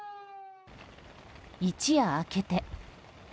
一夜明けて。